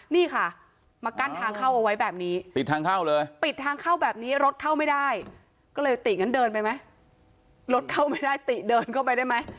นี่ค่ะมากั้นทางเข้าเอาไว้แบบนี้ปิดทางเข้าแบบนี้รถเข้าไม่ได้ตี๋กินเดินไปไหมตี๋เดินเข้าไปได้ไหม